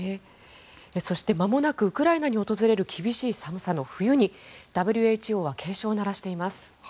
そしてまもなくウクライナに訪れる厳しい寒さの冬にＷＨＯは警鐘を鳴らしています。